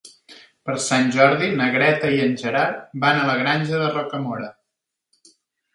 Per Sant Jordi na Greta i en Gerard van a la Granja de Rocamora.